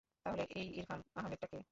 তাহলে এই ইরফান আহমেদটা কে?